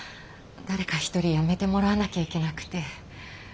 誰か１人辞めてもらわなきゃいけなくて。